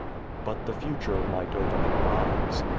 But the future might open her eyes.